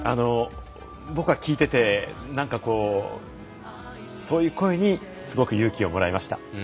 僕は聞いていてそういう声にすごく勇気をもらいました。